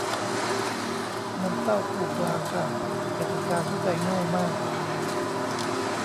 น้ำเต้าปูปลาค่ะ กติกาเข้าใจง่ายมาก